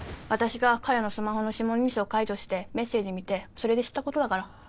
私が彼のスマホの指紋認証解除してメッセージ見てそれで知ったことだから。